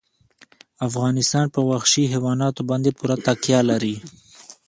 افغانستان په وحشي حیواناتو باندې پوره تکیه لري.